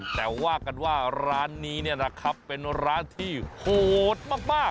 แต่ว่ากันว่าร้านนี้เนี่ยนะครับเป็นร้านที่โหดมาก